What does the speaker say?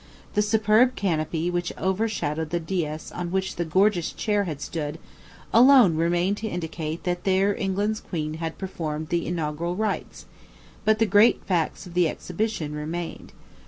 The superb canopy which overshadowed the dais on which the gorgeous chair had stood, alone remained to indicate that there England's queen had performed the inaugural rites; but the great facts of the exhibition remained.